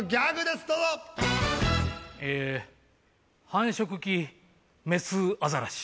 繁殖期メスアザラシ。